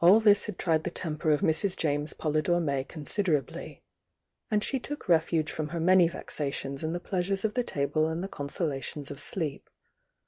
^^^"^ t"ed the temper of Mrs. James Polydore May considerably and Se took refuge from her many vexations in the pleas ures of the table and the consolations of sleep.